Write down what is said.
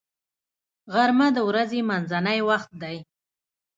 غرمه د ورځې منځنی وخت دی